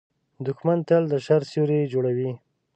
دښمن تل د شر سیوری جوړوي